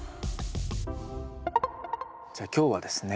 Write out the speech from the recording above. じゃあ今日はですね